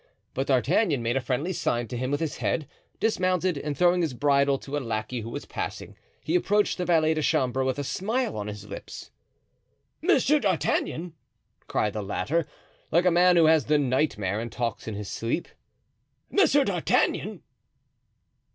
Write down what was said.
But D'Artagnan made a friendly sign to him with his head, dismounted, and throwing his bridle to a lackey who was passing, he approached the valet de chambre with a smile on his lips. "Monsieur d'Artagnan!" cried the latter, like a man who has the nightmare and talks in his sleep, "Monsieur d'Artagnan!"